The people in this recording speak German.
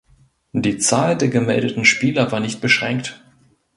Die Zahl der gemeldeten Spieler war nicht beschränkt.